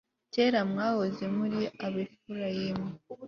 kera mwahoze muri ab' efurayimu